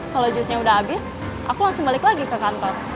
kalau jusnya udah habis aku langsung balik lagi ke kantor